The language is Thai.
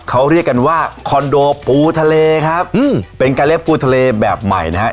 เขาเรียกกันว่าคอนโดปูทะเลครับอืมเป็นการเรียกปูทะเลแบบใหม่นะฮะ